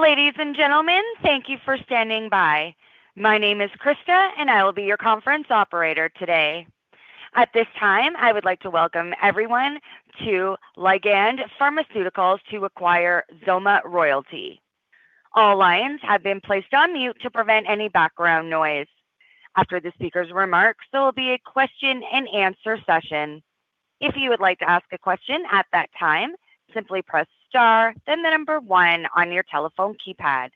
Ladies and gentlemen, thank you for standing by. My name is Krista and I will be your conference operator today. At this time, I would like to welcome everyone to Ligand Pharmaceuticals to acquire XOMA Royalty. All lines have been placed on mute to prevent any background noise. After the speaker's remarks, there will be a question-and-answer session. If you would like to ask a question at that time, simply press star then the number one on your telephone keypad.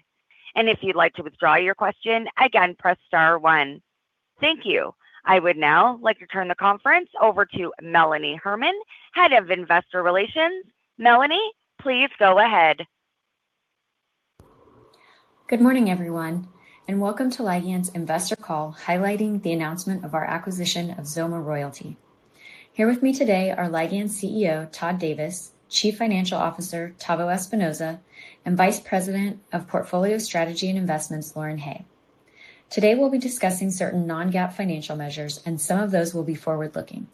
If you'd like to withdraw your question, again, press star one. Thank you. I would now like to turn the conference over to Melanie Herman, Head of Investor Relations. Melanie, please go ahead. Good morning, everyone, and welcome to Ligand's investor call highlighting the announcement of our acquisition of XOMA Royalty. Here with me today are Ligand's CEO, Todd Davis; Chief Financial Officer, Tavo Espinoza; and Vice President of Portfolio Strategy and Investments, Lauren Hay. Today, we'll be discussing certain non-GAAP financial measures, and some of those will be forward-looking.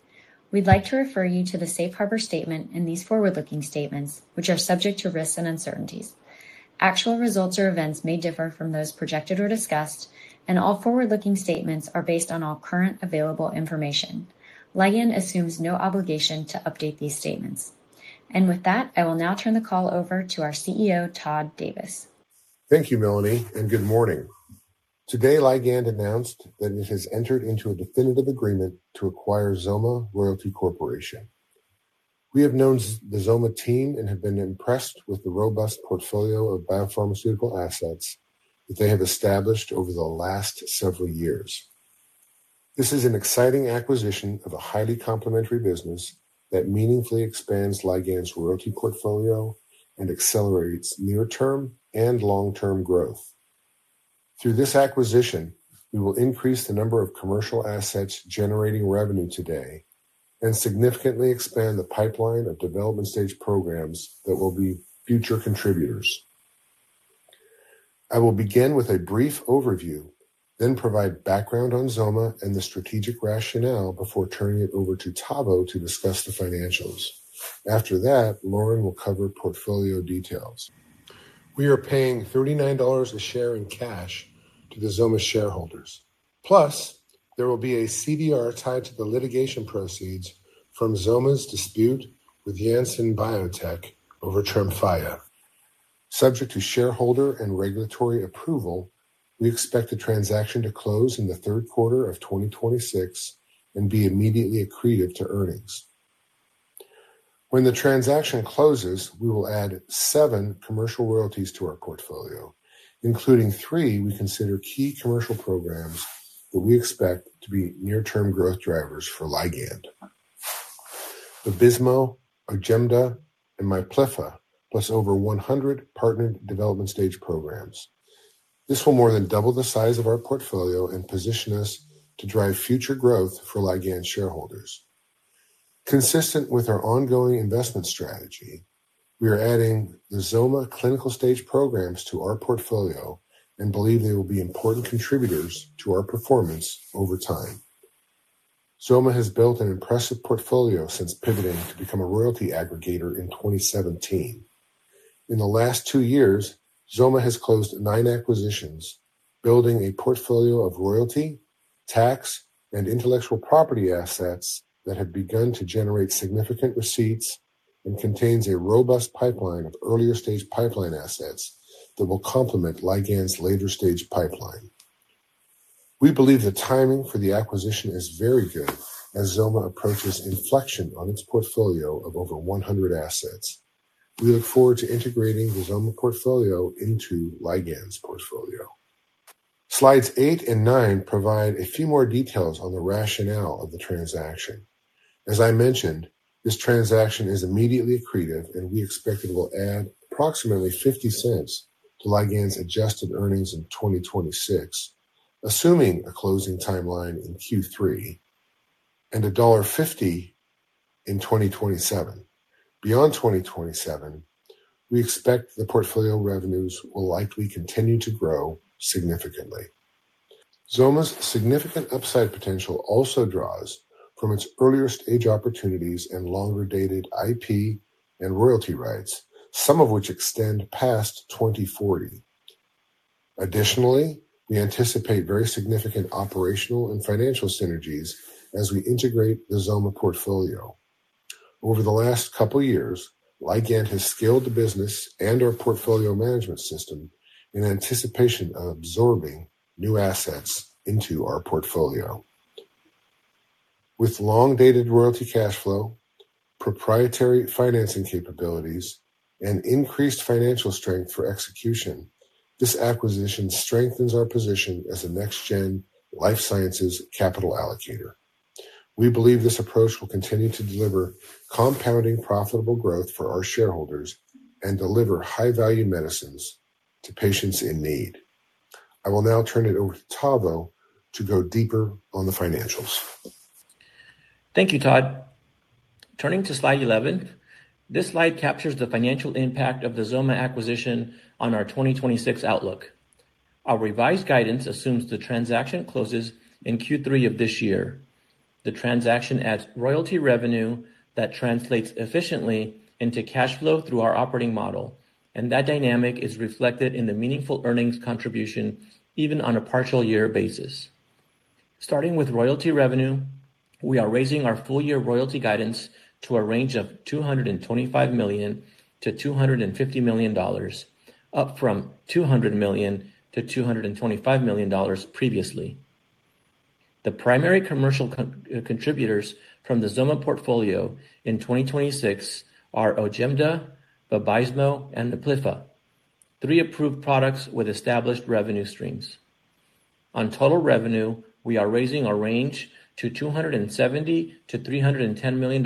We'd like to refer you to the Safe Harbor statement in these forward-looking statements, which are subject to risks and uncertainties. Actual results or events may differ from those projected or discussed, and all forward-looking statements are based on all current available information. Ligand assumes no obligation to update these statements. With that, I will now turn the call over to our CEO, Todd Davis. Thank you, Melanie, and good morning. Today, Ligand announced that it has entered into a definitive agreement to acquire XOMA Royalty Corporation. We have known the XOMA Royalty Corporation team and have been impressed with the robust portfolio of biopharmaceutical assets that they have established over the last several years. This is an exciting acquisition of a highly complementary business that meaningfully expands Ligand's royalty portfolio and accelerates near-term and long-term growth. Through this acquisition, we will increase the number of commercial assets generating revenue today and significantly expand the pipeline of development stage programs that will be future contributors. I will begin with a brief overview, then provide background on XOMA Royalty Corporation and the strategic rationale before turning it over to Tavo to discuss the financials. After that, Lauren will cover portfolio details. We are paying $39 a share in cash to the XOMA Royalty Corporation shareholders. There will be a CVR tied to the litigation proceeds from XOMA's dispute with Johnson & Johnson Innovative Medicine over TREMFYA. Subject to shareholder and regulatory approval, we expect the transaction to close in the Q3 of 2026 and be immediately accretive to earnings. When the transaction closes, we will add seven commercial royalties to our portfolio, including three we consider key commercial programs that we expect to be near-term growth drivers for Ligand: VABYSMO, OJEMDA, and MIPLYAFFA, plus over 100 partnered development stage programs. This will more than double the size of our portfolio and position us to drive future growth for Ligand shareholders. Consistent with our ongoing investment strategy, we are adding the XOMA clinical stage programs to our portfolio and believe they will be important contributors to our performance over time. XOMA has built an impressive portfolio since pivoting to become a royalty aggregator in 2017. In the last 2 years, XOMA has closed nine acquisitions, building a portfolio of royalty, tax, and intellectual property assets that have begun to generate significant receipts and contains a robust pipeline of earlier stage pipeline assets that will complement Ligand's later stage pipeline. We believe the timing for the acquisition is very good as XOMA approaches inflection on its portfolio of over 100 assets. We look forward to integrating the XOMA portfolio into Ligand's portfolio. Slides 8 and 9 provide a few more details on the rationale of the transaction. As I mentioned, this transaction is immediately accretive, and we expect it will add approximately $0.50 to Ligand's adjusted earnings in 2026, assuming a closing timeline in Q3, and $1.50 in 2027. Beyond 2027, we expect the portfolio revenues will likely continue to grow significantly. XOMA's significant upside potential also draws from its earlier stage opportunities and longer-dated IP and royalty rights, some of which extend past 2040. Additionally, we anticipate very significant operational and financial synergies as we integrate the XOMA portfolio. Over the last couple years, Ligand has scaled the business and our portfolio management system in anticipation of absorbing new assets into our portfolio. With long-dated royalty cash flow, proprietary financing capabilities, and increased financial strength for execution, this acquisition strengthens our position as a next gen life sciences capital allocator. We believe this approach will continue to deliver compounding profitable growth for our shareholders and deliver high-value medicines to patients in need. I will now turn it over to Tavo to go deeper on the financials. Thank you, Todd. Turning to slide 11. This slide captures the financial impact of the XOMA acquisition on our 2026 outlook. Our revised guidance assumes the transaction closes in Q3 of this year. The transaction adds royalty revenue that translates efficiently into cash flow through our operating model, and that dynamic is reflected in the meaningful earnings contribution even on a partial year basis. Starting with royalty revenue, we are raising our full-year royalty guidance to a range of $225 million-$250 million, up from $200 million-$225 million previously. The primary commercial contributors from the XOMA portfolio in 2026 are OJEMDA, VABYSMO, and MIPLYFFA, three approved products with established revenue streams. On total revenue, we are raising our range to $270 million-$310 million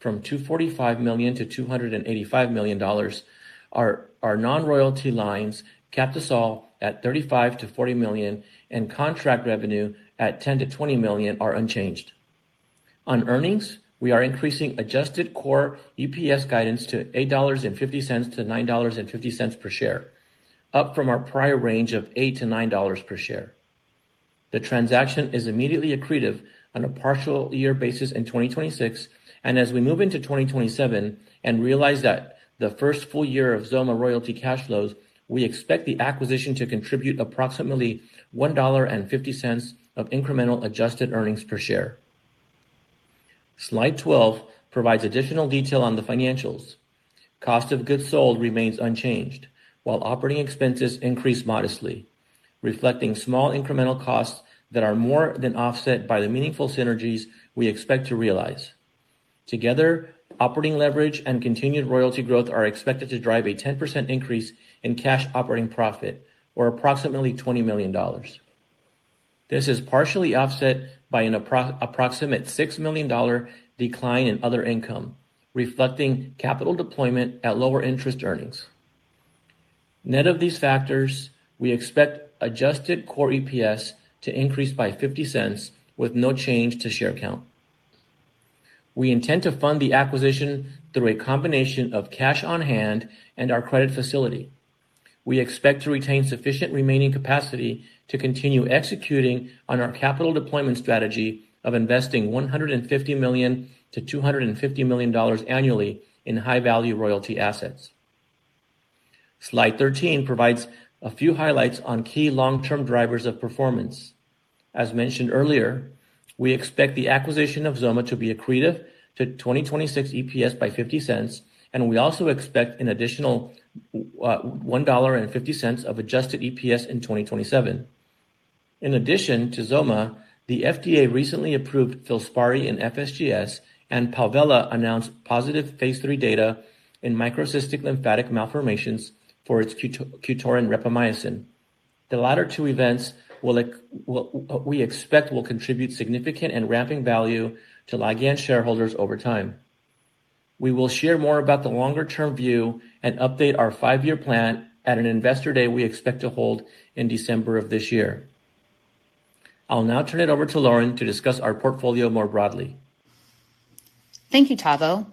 from $245 million-$285 million. Our non-royalty lines, Captisol at $35 million-$40 million and contract revenue at $10 million-$20 million are unchanged. On earnings, we are increasing adjusted core EPS guidance to $8.50-$9.50 per share, up from our prior range of $8-$9 per share. The transaction is immediately accretive on a partial year basis in 2026, and as we move into 2027 and realize that the first full year of XOMA Royalty cash flows, we expect the acquisition to contribute approximately $1.50 of incremental adjusted earnings per share. Slide 12 provides additional detail on the financials. Cost of goods sold remains unchanged, while operating expenses increase modestly, reflecting small incremental costs that are more than offset by the meaningful synergies we expect to realize. Together, operating leverage and continued royalty growth are expected to drive a 10% increase in cash operating profit, or approximately $20 million. This is partially offset by an approximate $6 million decline in other income, reflecting capital deployment at lower interest earnings. Net of these factors, we expect adjusted core EPS to increase by $0.50 with no change to share count. We intend to fund the acquisition through a combination of cash on hand and our credit facility. We expect to retain sufficient remaining capacity to continue executing on our capital deployment strategy of investing $150 million-$250 million annually in high-value royalty assets. Slide 13 provides a few highlights on key long-term drivers of performance. As mentioned earlier, we expect the acquisition of XOMA to be accretive to 2026 EPS by $0.50, and we also expect an additional $1.50 of adjusted EPS in 2027. In addition to XOMA, the FDA recently approved FILSPARI for FSGS, and Palvella announced positive phase III data in microcystic lymphatic malformations for its QTORIN rapamycin. The latter two events we expect will contribute significant and ramping value to Ligand shareholders over time. We will share more about the longer-term view and update our 5-year plan at an investor day we expect to hold in December of this year. I'll now turn it over to Lauren to discuss our portfolio more broadly. Thank you, Tavo.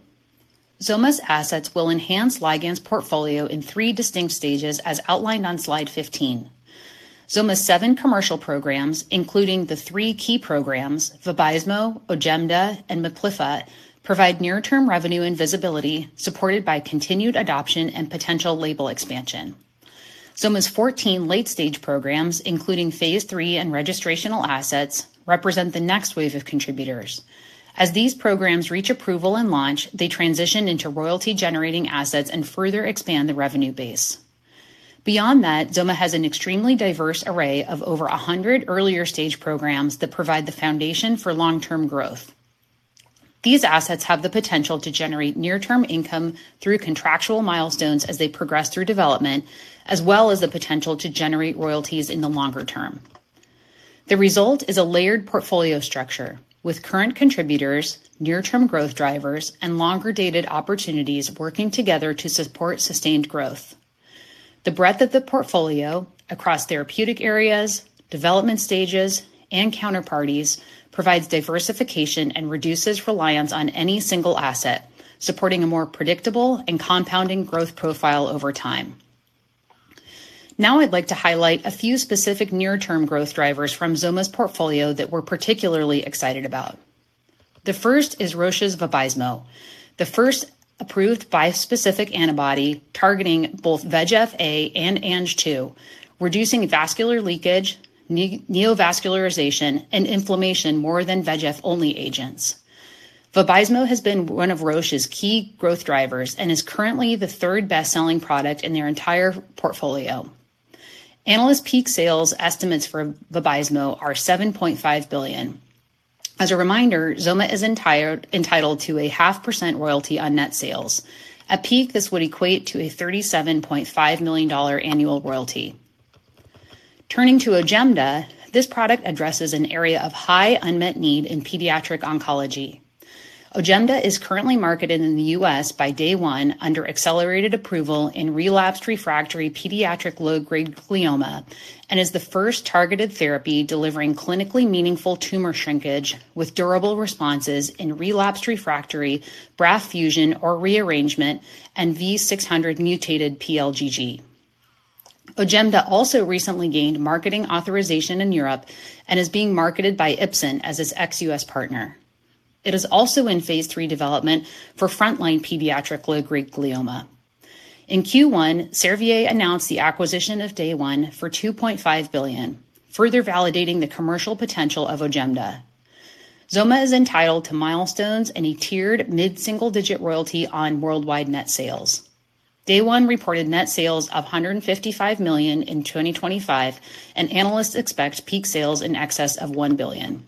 XOMA's assets will enhance Ligand's portfolio in three distinct stages as outlined on slide 15. XOMA's 7 commercial programs, including the 3 key programs, VABYSMO, OJEMDA, and MIPLYFFA, provide near-term revenue and visibility supported by continued adoption and potential label expansion. XOMA's 14 late-stage programs, including phase III and registrational assets, represent the next wave of contributors. As these programs reach approval and launch, they transition into royalty-generating assets and further expand the revenue base. Beyond that, XOMA has an extremely diverse array of over 100 earlier-stage programs that provide the foundation for long-term growth. These assets have the potential to generate near-term income through contractual milestones as they progress through development, as well as the potential to generate royalties in the longer term. The result is a layered portfolio structure with current contributors, near-term growth drivers, and longer-dated opportunities working together to support sustained growth. The breadth of the portfolio across therapeutic areas, development stages, and counterparties provides diversification and reduces reliance on any single asset, supporting a more predictable and compounding growth profile over time. Now I'd like to highlight a few specific near-term growth drivers from XOMA's portfolio that we're particularly excited about. The first is Roche's VABYSMO, the first approved bispecific antibody targeting both VEGF-A and Ang-2, reducing vascular leakage, neovascularization, and inflammation more than VEGF-only agents. VABYSMO has been one of Roche's key growth drivers and is currently the third best-selling product in their entire portfolio. Analyst peak sales estimates for VABYSMO are $7.5 billion. As a reminder, XOMA is entitled to a 0.5% royalty on net sales. At peak, this would equate to a $37.5 million annual royalty. Turning to OJEMDA, this product addresses an area of high unmet need in pediatric oncology. OJEMDA is currently marketed in the U.S. by Day One under accelerated approval in relapsed refractory pediatric low-grade glioma and is the first targeted therapy delivering clinically meaningful tumor shrinkage with durable responses in relapsed refractory BRAF fusion or rearrangement and V600 mutated pLGG. OJEMDA also recently gained marketing authorization in Europe and is being marketed by Ipsen as its ex-U.S. partner. It is also in phase III development for frontline pediatric low-grade glioma. In Q1, Servier announced the acquisition of Day One for $2.5 billion, further validating the commercial potential of OJEMDA. XOMA is entitled to milestones and a tiered mid-single-digit royalty on worldwide net sales. Day One reported net sales of $155 million in 2025, and analysts expect peak sales in excess of $1 billion.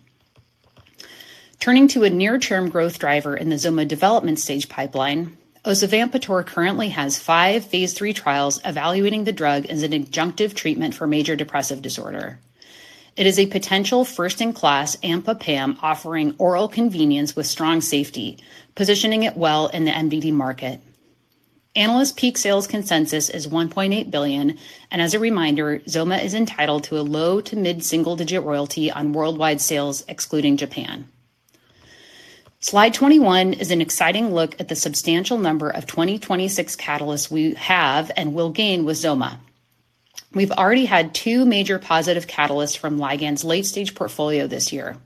Turning to a near-term growth driver in the XOMA development stage pipeline, Osavampator currently has five phase III trials evaluating the drug as an adjunctive treatment for major depressive disorder. It is a potential first-in-class AMPA PAM offering oral convenience with strong safety, positioning it well in the MDD market. Analyst peak sales consensus is $1.8 billion, and as a reminder, XOMA is entitled to a low to mid-single-digit royalty on worldwide sales, excluding Japan. Slide 21 is an exciting look at the substantial number of 2026 catalysts we have and will gain with XOMA. We've already had 2 major positive catalysts from Ligand's late-stage portfolio this year.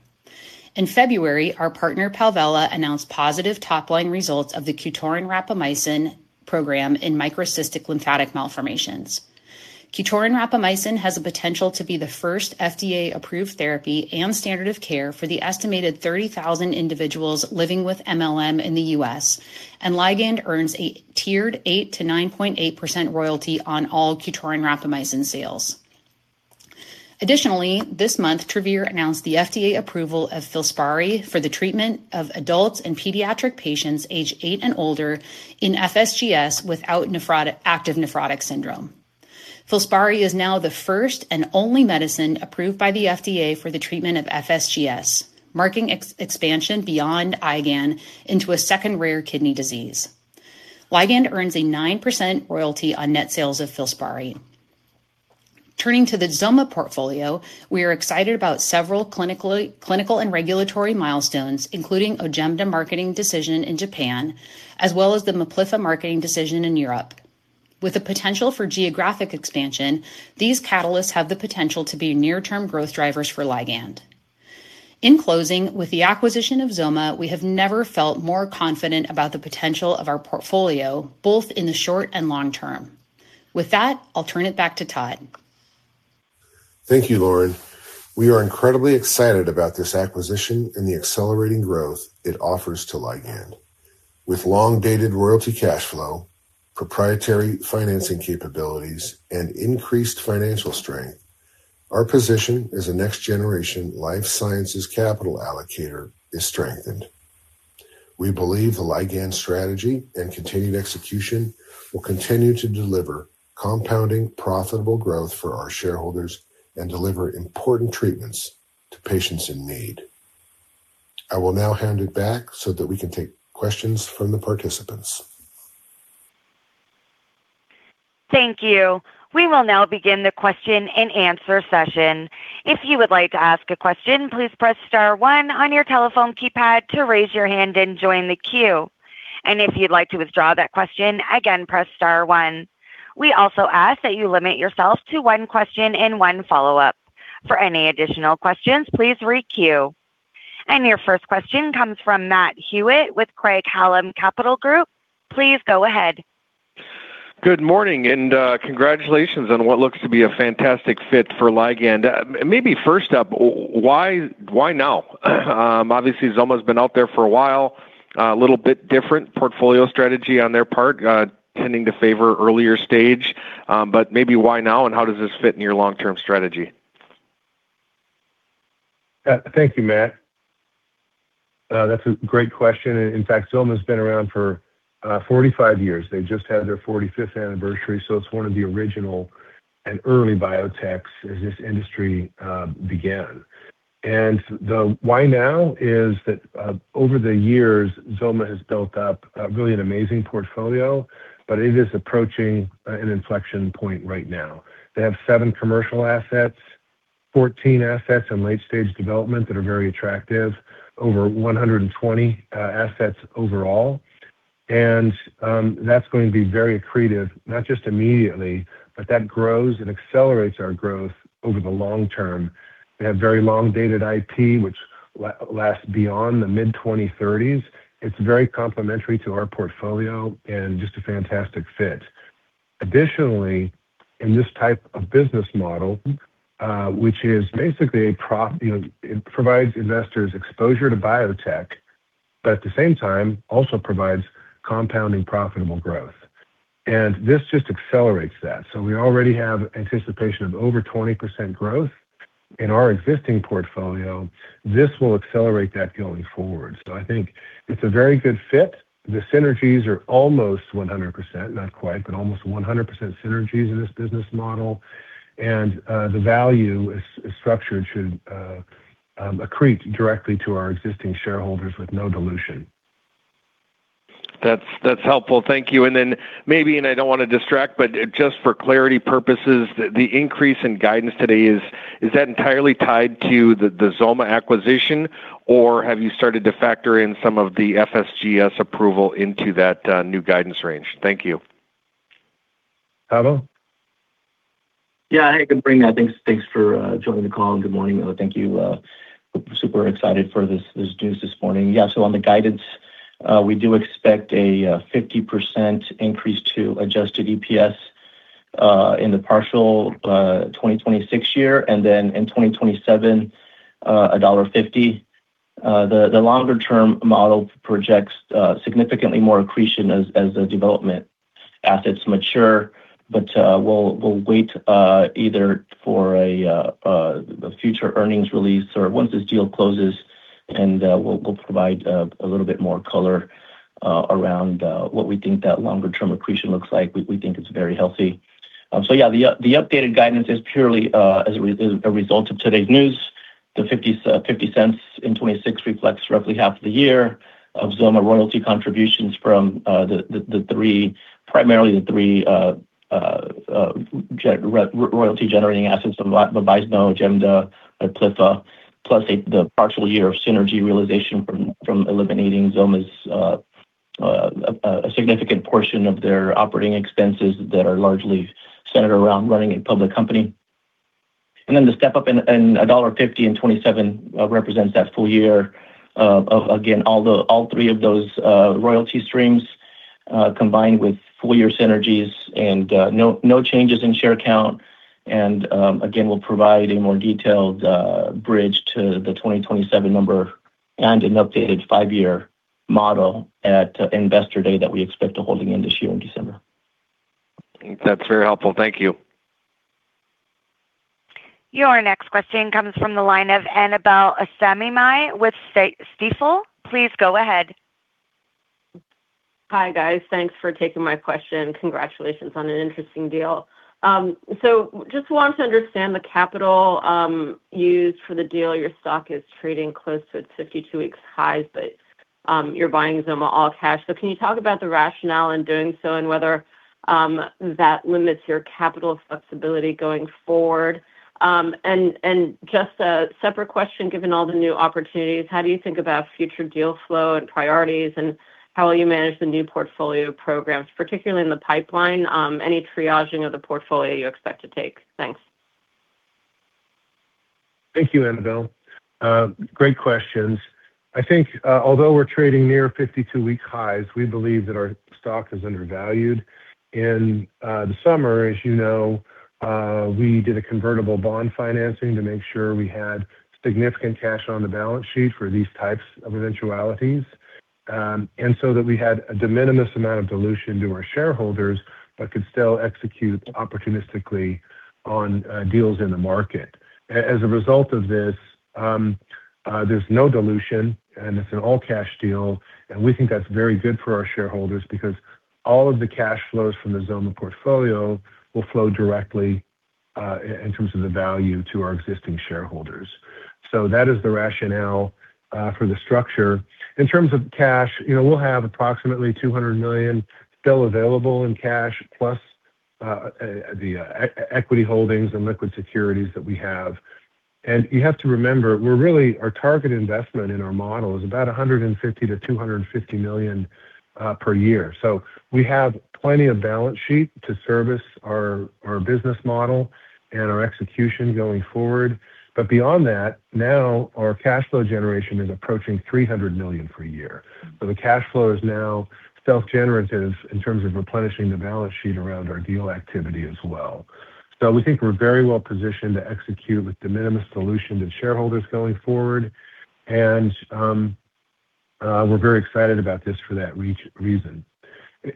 In February, our partner Palvella announced positive top-line results of the QTORIN rapamycin program in microcystic lymphatic malformations. QTORIN rapamycin has the potential to be the first FDA-approved therapy and standard of care for the estimated 30,000 individuals living with MLM in the US, and Ligand earns a tiered 8%-9.8% royalty on all QTORIN rapamycin sales. Additionally, this month, Travere announced the FDA approval of FILSPARI for the treatment of adults and pediatric patients aged 8 and older in FSGS without active nephrotic syndrome. FILSPARI is now the first and only medicine approved by the FDA for the treatment of FSGS, marking expansion beyond IgAN into a second rare kidney disease. Ligand earns a 9% royalty on net sales of FILSPARI. Turning to the XOMA portfolio, we are excited about several clinical and regulatory milestones, including OJEMDA marketing decision in Japan, as well as the MIPLYFFA marketing decision in Europe. With the potential for geographic expansion, these catalysts have the potential to be near-term growth drivers for Ligand. In closing, with the acquisition of XOMA, we have never felt more confident about the potential of our portfolio, both in the short and long term. With that, I'll turn it back to Todd. Thank you, Lauren. We are incredibly excited about this acquisition and the accelerating growth it offers to Ligand. With long-dated royalty cash flow, proprietary financing capabilities, and increased financial strength, our position as a next-generation life sciences capital allocator is strengthened. We believe the Ligand strategy and continued execution will continue to deliver compounding profitable growth for our shareholders and deliver important treatments to patients in need. I will now hand it back so that we can take questions from the participants. Thank you. We will now begin the question-and-answer session. If you would like to ask a question, please press star one on your telephone keypad to raise your hand and join the queue. If you'd like to withdraw that question, again, press star one. We also ask that you limit yourself to one question and one follow-up. For any additional questions, please re-queue. Your first question comes from Matt Hewitt with Craig-Hallum Capital Group. Please go ahead. Good morning, and congratulations on what looks to be a fantastic fit for Ligand. Maybe first up, why now? Obviously, XOMA's been out there for a while, a little bit different portfolio strategy on their part, tending to favor earlier stage, but maybe why now, and how does this fit in your long-term strategy? Thank you, Matt. That's a great question. In fact, XOMA's been around for 45 years. They just had their 45th anniversary, so it's one of the original and early biotechs as this industry began. The why now is that over the years, XOMA has built up really an amazing portfolio, but it is approaching an inflection point right now. They have 7 commercial assets, 14 assets in late-stage development that are very attractive, over 120 assets overall. That's going to be very accretive, not just immediately, but that grows and accelerates our growth over the long term. They have very long-dated IP, which lasts beyond the mid-2030s. It's very complementary to our portfolio and just a fantastic fit. Additionally, in this type of business model, which is basically a prof.. It provides investors exposure to biotech, but at the same time also provides compounding profitable growth. This just accelerates that. We already have anticipation of over 20% growth in our existing portfolio. This will accelerate that going forward. I think it's a very good fit. The synergies are almost 100%. Not quite, but almost 100% synergies in this business model. The value is structured to accrete directly to our existing shareholders with no dilution. That's helpful. Thank you. Maybe, and I don't want to distract, but just for clarity purposes, the increase in guidance today is that entirely tied to the XOMA acquisition, or have you started to factor in some of the FSGS approval into that new guidance range? Thank you. Tavo? Thanks for joining the call, and good morning. Thank you. We're super excited for this news this morning. Yeah, so on the guidance, we do expect a 50% increase to adjusted EPS in the partial 2026 year and then in 2027, $1.50. The longer-term model projects significantly more accretion as the development assets mature. We'll wait either for the future earnings release or once this deal closes, and we'll provide a little bit more color around what we think that longer-term accretion looks like. We think it's very healthy. Yeah, the updated guidance is purely as a result of today's news. The $0.50 in 2026 reflects roughly half of the year of XOMA royalty contributions from primarily the three royalty generating assets, the VABYSMO, OJEMDA, Pliva, plus the partial year of synergy realization from eliminating XOMA's a significant portion of their operating expenses that are largely centered around running a public company. The step up in $1.50 in 2027 represents that full year of again all three of those royalty streams combined with full year synergies and no changes in share count. We'll provide a more detailed bridge to the 2027 number and an updated five-year model at Investor Day that we expect to hold at the end of this year in December. That's very helpful. Thank you. Your next question comes from the line of Annabel Samimy with Stifel. Please go ahead. Hi, guys. Thanks for taking my question. Congratulations on an interesting deal. So just want to understand the capital used for the deal. Your stock is trading close to its 52-week highs, but you're buying XOMA all cash. So can you talk about the rationale in doing so and whether that limits your capital flexibility going forward? And just a separate question, given all the new opportunities, how do you think about future deal flow and priorities? And how will you manage the new portfolio programs, particularly in the pipeline, any triaging of the portfolio you expect to take? Thanks. Thank you, Annabel. Great questions. I think, although we're trading near 52-week highs, we believe that our stock is undervalued. In the summer, as you know, we did a convertible bond financing to make sure we had significant cash on the balance sheet for these types of eventualities that we had a De minimis amount of dilution to our shareholders but could still execute opportunistically on deals in the market. As a result of this, there's no dilution, and it's an all-cash deal, and we think that's very good for our shareholders because all of the cash flows from the XOMA portfolio will flow directly in terms of the value to our existing shareholders. That is the rationale for the structure. In terms of cash, you know, we'll have approximately $200 million still available in cash, plus the equity holdings and liquid securities that we have. You have to remember, we're really our target investment in our model is about $150 million-$250 million per year. We have plenty of balance sheet to service our business model and our execution going forward. Beyond that, now our cash flow generation is approaching $300 million per year. The cash flow is now self-generative in terms of replenishing the balance sheet around our deal activity as well. We think we're very well positioned to execute with De minimis dilution to shareholders going forward. We're very excited about this for that reason.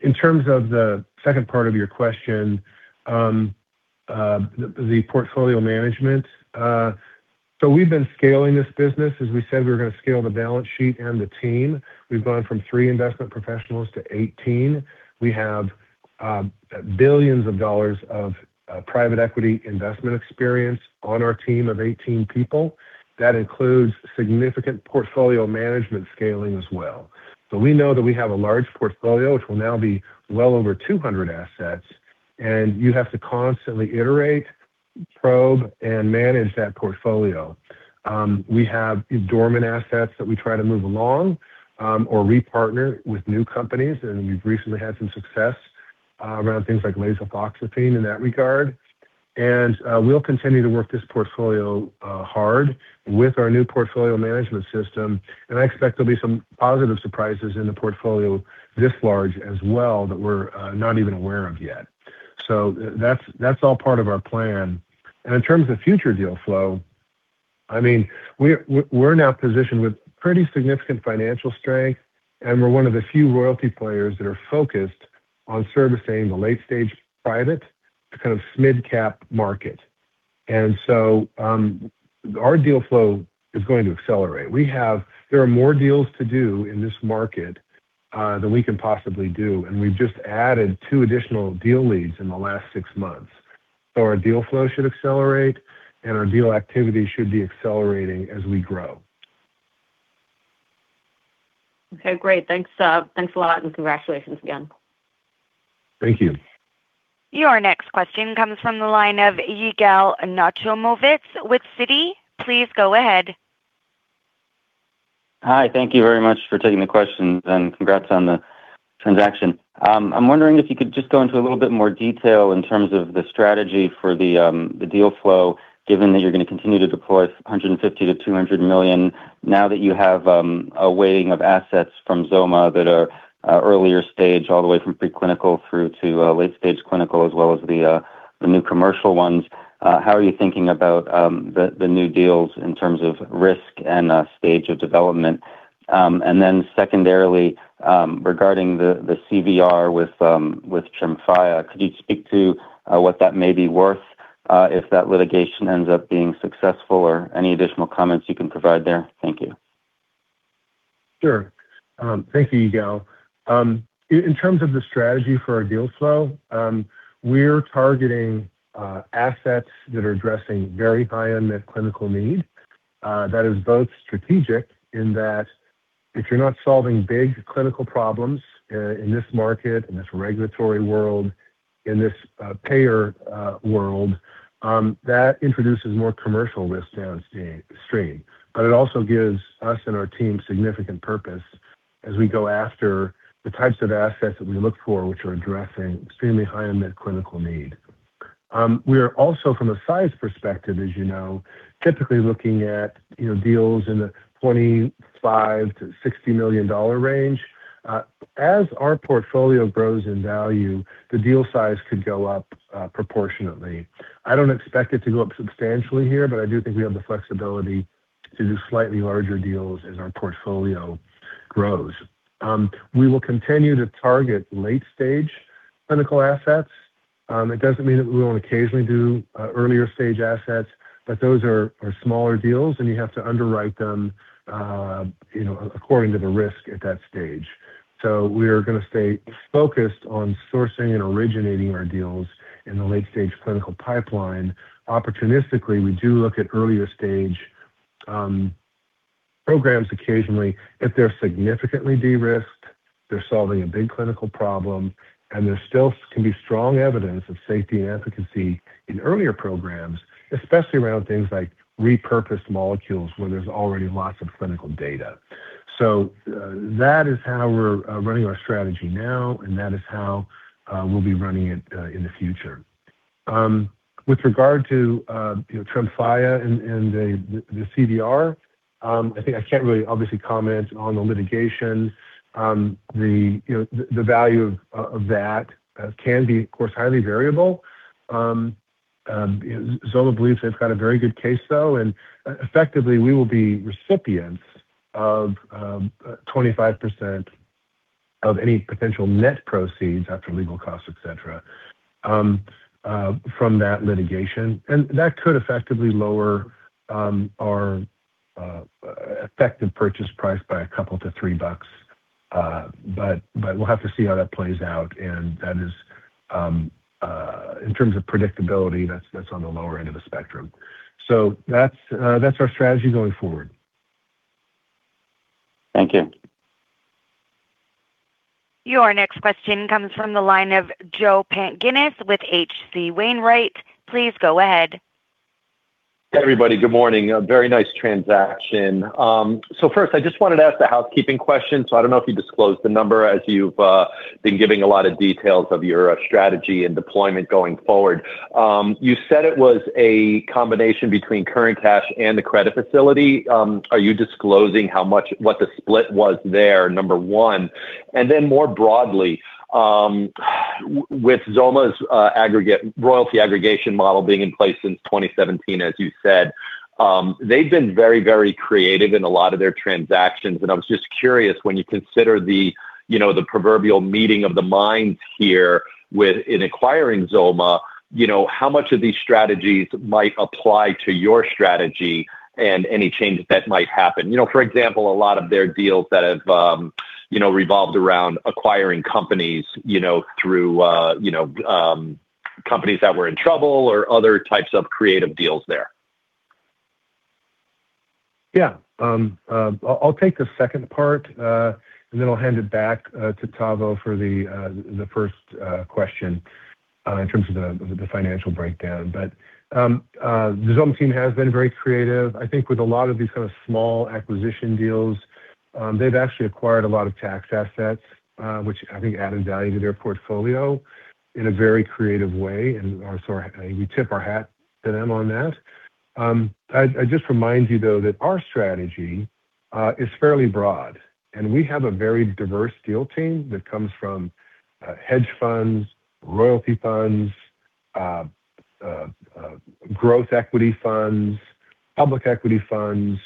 In terms of the second part of your question, the portfolio management, we've been scaling this business. As we said, we were gonna scale the balance sheet and the team. We've gone from three investment professionals to 18. We have billions of dollars of private equity investment experience on our team of 18 people. That includes significant portfolio management scaling as well. We know that we have a large portfolio, which will now be well over 200 assets, and you have to constantly iterate, probe, and manage that portfolio. We have dormant assets that we try to move along, or re-partner with new companies, and we've recently had some success around things like Lasofoxifene in that regard. We'll continue to work this portfolio hard with our new portfolio management system, and I expect there'll be some positive surprises in the portfolio this large as well that we're not even aware of yet. That's all part of our plan. In terms of future deal flow, I mean, we're now positioned with pretty significant financial strength, and we're one of the few royalty players that are focused on servicing the late stage private to kind of mid-cap market. Our deal flow is going to accelerate. There are more deals to do in this market than we can possibly do, and we've just added two additional deal leads in the last six months. Our deal flow should accelerate, and our deal activity should be accelerating as we grow. Okay, great. Thanks a lot, and congratulations again. Thank you. Your next question comes from the line of Yigal Nochomovitz with Citi. Please go ahead. Hi, thank you very much for taking the question, and congrats on the transaction. I'm wondering if you could just go into a little bit more detail in terms of the strategy for the deal flow, given that you're gonna continue to deploy $150 million-$200 million now that you have a weighting of assets from XOMA that are earlier stage, all the way from preclinical through to late-stage clinical as well as the new commercial ones. How are you thinking about the new deals in terms of risk and stage of development? Secondarily, regarding the CVR with TREMFYA, could you speak to what that may be worth if that litigation ends up being successful, or any additional comments you can provide there? Thank you. Sure. Thank you, Yigal. In terms of the strategy for our deal flow, we're targeting assets that are addressing very high unmet clinical need, that is both strategic in that if you're not solving big clinical problems in this market, in this regulatory world, in this payer world, that introduces more commercial risk downstream. But it also gives us and our team significant purpose as we go after the types of assets that we look for, which are addressing extremely high unmet clinical need. We are also from a size perspective, as you know, typically looking at, you know, deals in the $25 million-$60 million range. As our portfolio grows in value, the deal size could go up proportionately. I don't expect it to go up substantially here, but I do think we have the flexibility to do slightly larger deals as our portfolio grows. We will continue to target late-stage clinical assets. It doesn't mean that we won't occasionally do earlier stage assets, but those are smaller deals, and you have to underwrite them, you know, according to the risk at that stage. We are gonna stay focused on sourcing and originating our deals in the late-stage clinical pipeline. Opportunistically, we do look at earlier stage programs occasionally if they're significantly de-risked, they're solving a big clinical problem, and there still can be strong evidence of safety and efficacy in earlier programs, especially around things like repurposed molecules, where there's already lots of clinical data. That is how we're running our strategy now, and that is how we'll be running it in the future. With regard to you know, TREMFYA and the CVR, I think I can't really obviously comment on the litigation. You know, the value of that can be, of course, highly variable. XOMA believes they've got a very good case, though, and effectively, we will be recipients of 25% of any potential net proceeds after legal costs, et cetera, from that litigation. That could effectively lower our effective purchase price by $2-$3, but we'll have to see how that plays out. That is in terms of predictability, that's on the lower end of the spectrum. That's our strategy going forward. Thank you. Your next question comes from the line of Joe Pantginis with H.C. Wainwright. Please go ahead. Everybody, good morning. A very nice transaction. First, I just wanted to ask a housekeeping question. I don't know if you disclosed the number as you've been giving a lot of details of your strategy and deployment going forward. You said it was a combination between current cash and the credit facility. Are you disclosing what the split was there, number one? Then more broadly, with XOMA's aggregate royalty aggregation model being in place since 2017, as you said, they've been very, very creative in a lot of their transactions. I was just curious, when you consider the, you know, the proverbial meeting of the minds here within acquiring XOMA, you know, how much of these strategies might apply to your strategy and any change that might happen? You know, for example, a lot of their deals that have, you know, revolved around acquiring companies, you know, through, you know, companies that were in trouble or other types of creative deals there. Yeah. I'll take the second part, and then I'll hand it back to Tavo for the first question in terms of the financial breakdown. The XOMA team has been very creative. I think with a lot of these kind of small acquisition deals, they've actually acquired a lot of tax assets, which I think added value to their portfolio in a very creative way, so we tip our hat to them on that. I just remind you, though, that our strategy is fairly broad, and we have a very diverse deal team that comes from hedge funds, royalty funds, growth equity funds, public equity funds.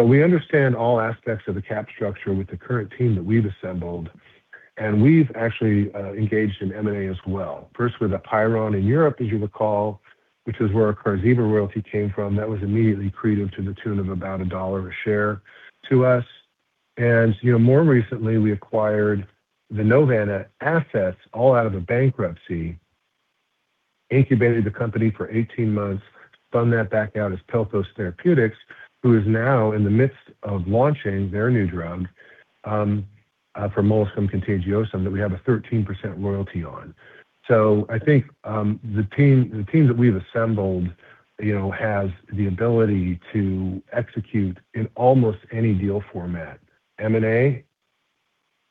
We understand all aspects of the capital structure with the current team that we've assembled, and we've actually engaged in M&A as well. First with Agenus in Europe, as you recall, which is where our Qarziba royalty came from, that was immediately accretive to the tune of about $1 a share to us. You know, more recently, we acquired the Novan Assets all out of a bankruptcy, incubated the company for 18 months, spun that back out as Palvella Therapeutics, who is now in the midst of launching their new drug for Molluscum Contagiosum that we have a 13% royalty on. I think the team that we've assembled, you know, has the ability to execute in almost any deal format. M&A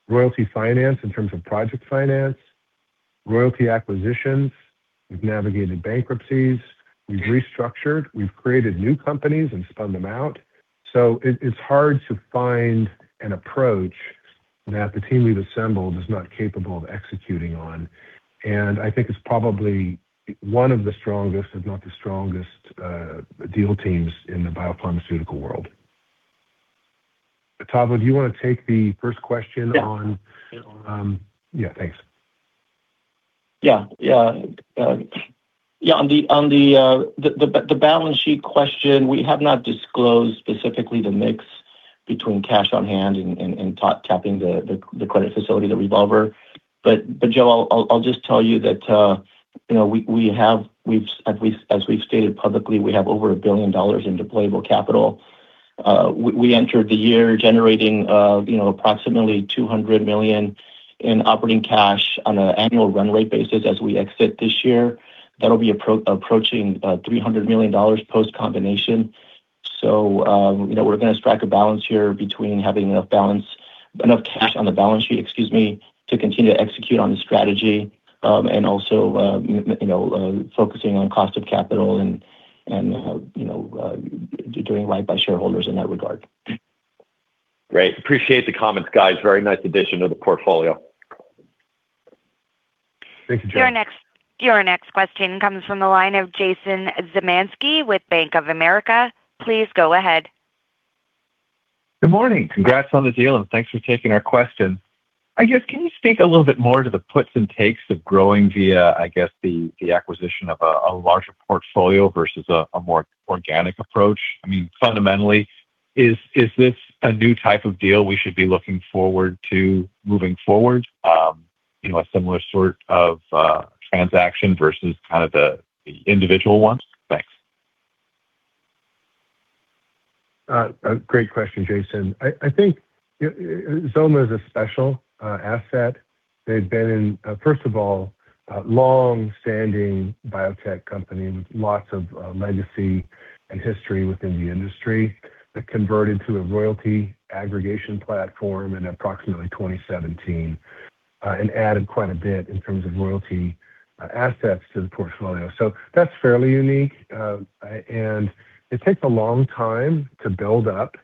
royalty finance in terms of project finance, royalty acquisitions, we've navigated bankruptcies, we've restructured, we've created new companies and spun them out. It's hard to find an approach that the team we've assembled is not capable of executing on. I think it's probably one of the strongest, if not the strongest, deal teams in the biopharmaceutical world. Tavo, do you wanna take the first question on- Yeah. Yeah, thanks. On the balance sheet question, we have not disclosed specifically the mix between cash on hand and tapping the credit facility, the revolver. Joe, I'll just tell you that, you know, we have. At least as we've stated publicly, we have over $1 billion in deployable capital. We entered the year generating, you know, approximately $200 million in operating cash on an annual run rate basis as we exit this year. That'll be approaching $300 million post combination. you know, we're gonna strike a balance here between having enough balance, enough cash on the balance sheet, excuse me, to continue to execute on the strategy, and also, you know, focusing on cost of capital and, you know, doing right by shareholders in that regard. Great. Appreciate the comments, guys. Very nice addition to the portfolio. Thank you, Joe. Your next question comes from the line of Jason Zemansky with Bank of America. Please go ahead. Good morning. Congrats on the deal, and thanks for taking our question. I guess, can you speak a little bit more to the puts and takes of growing via, I guess, the acquisition of a larger portfolio versus a more organic approach? I mean, fundamentally, is this a new type of deal we should be looking forward to moving forward? You know, a similar sort of transaction versus kind of the individual ones? Thanks. A great question, Jason. I think XOMA is a special asset. They've been in, first of all, a longstanding biotech company with lots of legacy and history within the industry that converted to a royalty aggregation platform in approximately 2017, and added quite a bit in terms of royalty assets to the portfolio. So that's fairly unique. It takes a long time to build up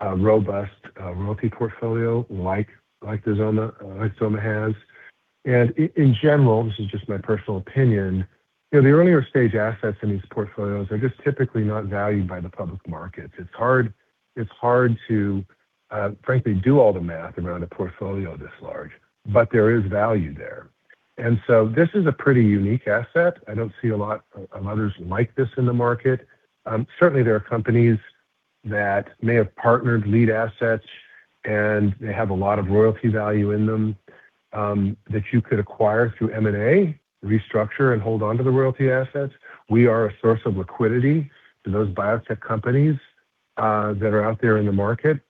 a robust royalty portfolio like the XOMA like XOMA has. In general, this is just my personal opinion, you know, the earlier stage assets in these portfolios are just typically not valued by the public markets. It's hard to frankly do all the math around a portfolio this large, but there is value there. This is a pretty unique asset. I don't see a lot of others like this in the market. Certainly there are companies that may have partnered lead assets, and they have a lot of royalty value in them, that you could acquire through M&A, restructure, and hold onto the royalty assets. We are a source of liquidity to those biotech companies, that are out there in the market.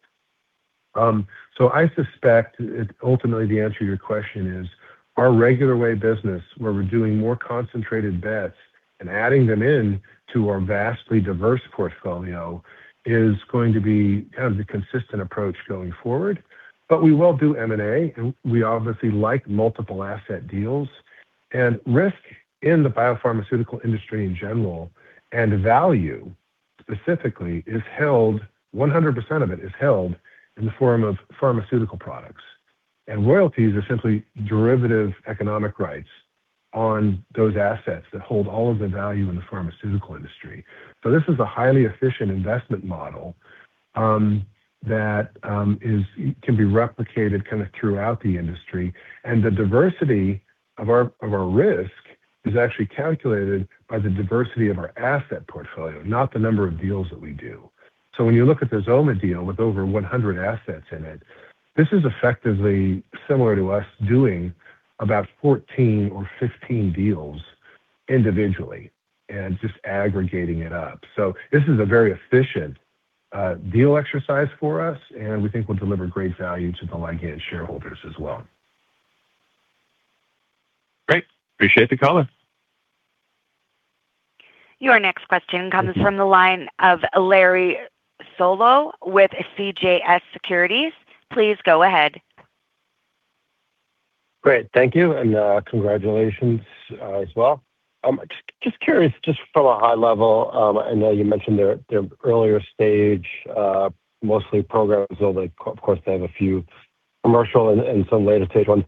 I suspect, ultimately the answer to your question is our regular way business, where we're doing more concentrated bets and adding them in to our vastly diverse portfolio is going to be kind of the consistent approach going forward. We will do M&A, and we obviously like multiple asset deals. Risk in the biopharmaceutical industry in general, and value specifically, is held, 100% of it is held in the form of pharmaceutical products. Royalties are simply derivative economic rights on those assets that hold all of the value in the pharmaceutical industry. This is a highly efficient investment model that can be replicated throughout the industry. The diversity of our risk is actually calculated by the diversity of our asset portfolio, not the number of deals that we do. When you look at the XOMA deal with over 100 assets in it, this is effectively similar to us doing about 14 or 15 deals individually and just aggregating it up. This is a very efficient deal exercise for us, and we think will deliver great value to the Ligand shareholders as well. Great. Appreciate the color. Your next question comes from the line of Larry Solow with CJS Securities. Please go ahead. Great. Thank you, and congratulations, as well. Just curious, just from a high level, I know you mentioned they're earlier stage, mostly programs, although of course they have a few commercial and some later stage ones.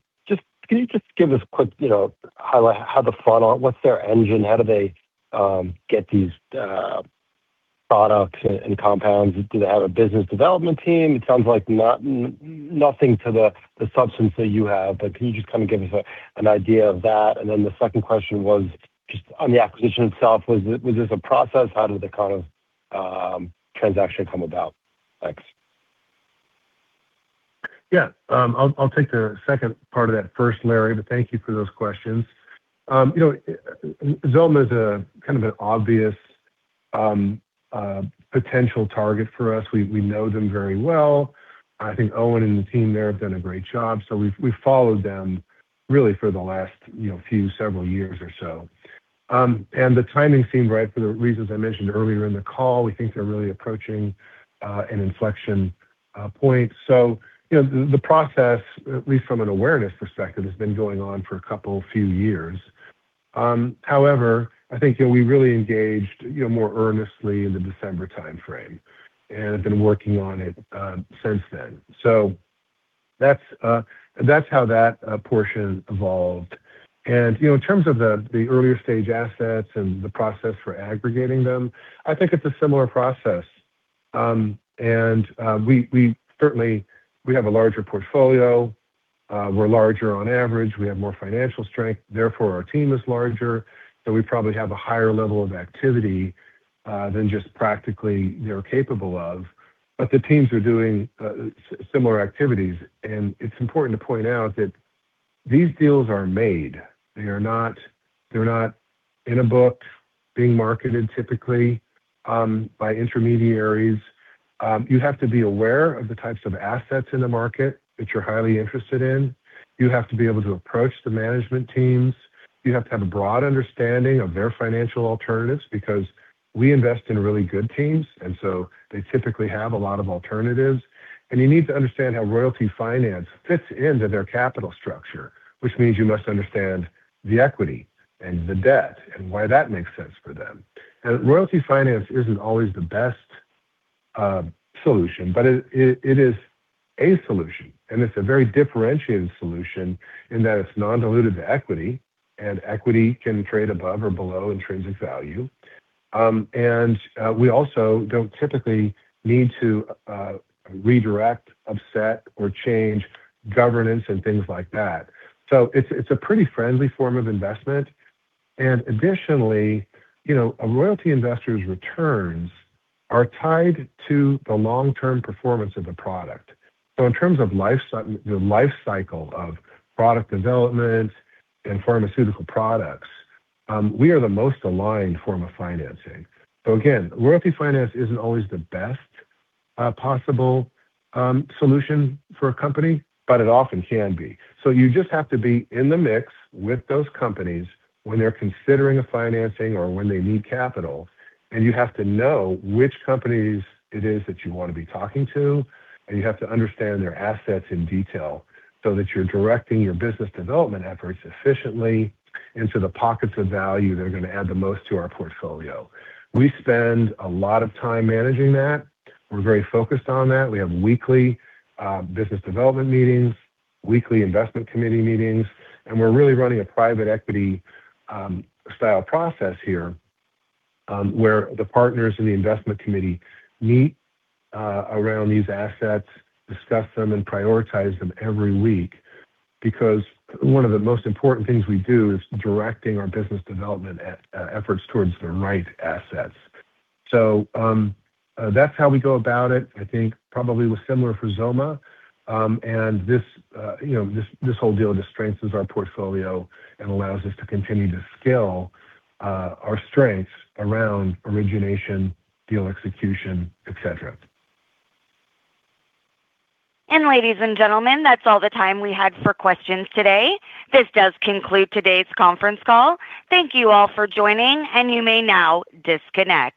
Can you just give us a quick, you know, what's their engine? How do they get these products and compounds? Do they have a business development team? It sounds like nothing to the substance that you have, but can you just give us an idea of that? Then the second question was just on the acquisition itself. Was this a process? How did the kind of transaction come about? Thanks. Yeah. I'll take the second part of that first, Larry, but thank you for those questions. You know, XOMA's a kind of an obvious potential target for us. We know them very well. I think Owen and the team there have done a great job, so we've followed them really for the last several years or so. And the timing seemed right for the reasons I mentioned earlier in the call. We think they're really approaching an inflection point. You know, the process, at least from an awareness perspective, has been going on for a few years. However, I think that we really engaged more earnestly in the December timeframe and have been working on it since then. So that's how that portion evolved. You know, in terms of the earlier stage assets and the process for aggregating them, I think it's a similar process. We have a larger portfolio. We're larger on average. We have more financial strength, therefore our team is larger. We probably have a higher level of activity than just practically they're capable of. The teams are doing similar activities. It's important to point out that these deals are made. They're not in a book being marketed typically by intermediaries. You have to be aware of the types of assets in the market that you're highly interested in. You have to be able to approach the management teams. You have to have a broad understanding of their financial alternatives because we invest in really good teams, and so they typically have a lot of alternatives. You need to understand how royalty finance fits into their capital structure, which means you must understand the equity and the debt and why that makes sense for them. Royalty finance isn't always the best solution, but it is a solution, and it's a very differentiated solution in that it's non-dilutive to equity, and equity can trade above or below intrinsic value. We also don't typically need to redirect, upset, or change governance and things like that. It's a pretty friendly form of investment. Additionally, you know, a royalty investor's returns are tied to the long-term performance of the product. In terms of the life cycle of product development and pharmaceutical products, we are the most aligned form of financing. Again, royalty finance isn't always the best possible solution for a company, but it often can be. You just have to be in the mix with those companies when they're considering a financing or when they need capital, and you have to know which companies it is that you wanna be talking to, and you have to understand their assets in detail so that you're directing your business development efforts efficiently into the pockets of value that are gonna add the most to our portfolio. We spend a lot of time managing that. We're very focused on that. We have weekly business development meetings, weekly investment committee meetings, and we're really running a private equity style process here, where the partners in the investment committee meet around these assets, discuss them, and prioritize them every week because one of the most important things we do is directing our business development efforts towards the right assets. That's how we go about it. I think probably was similar for XOMA. You know, this whole deal just strengthens our portfolio and allows us to continue to scale our strengths around origination, deal execution, et cetera. Ladies and gentlemen, that's all the time we had for questions today. This does conclude today's conference call. Thank you all for joining, and you may now disconnect.